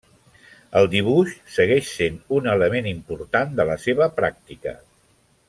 El dibuix segueix sent un element important de la seva pràctica.